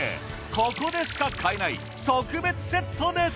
ここでしか買えない特別セットです！